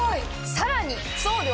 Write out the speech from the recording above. さらに。